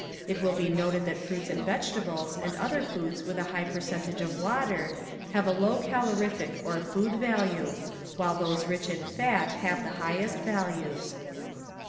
It will be noted that fruits and vegetables and other foods with a high percentage of water have a low calorific or food value, while those rich in fat have the highest values.